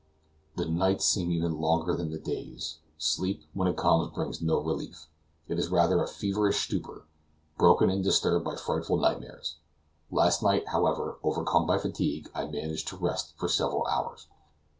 The nights seem even longer than the days. Sleep, when it comes, brings no relief; it is rather a feverish stupor, broken and disturbed by frightful nightmares. Last night, however, overcome by fatigue, I managed to rest for several hours.